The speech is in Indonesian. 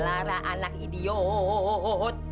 lara anak idiot